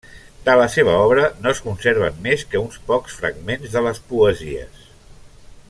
De la seva obra no es conserven més que uns pocs fragments de les poesies.